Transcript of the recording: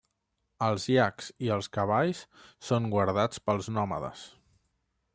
Els iacs i els cavalls són guardats pels nòmades.